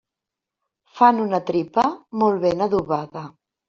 Fan una tripa molt ben adobada.